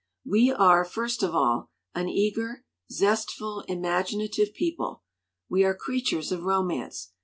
"We are, first of all, an eager, zestful, imagina tive people. We are creatures of romance.